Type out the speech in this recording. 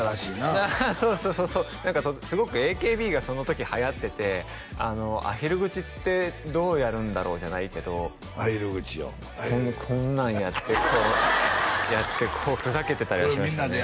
あそうそうすごくＡＫＢがその時はやっててアヒル口ってどうやるんだろうじゃないけどアヒル口をこんなんやってこうやってふざけてたりはしましたね